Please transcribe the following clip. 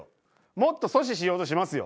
もっと阻止しようとしますよ。